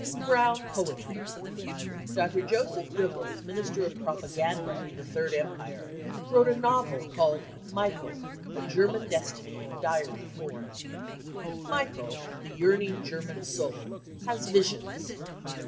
Brown Poetry. Dr. Josef Goebbels, Minister of Pro paganda in the Third Empire, wrote a novel called Michael : a German destiny in diary form . Michael, the yearning German soul, has visions.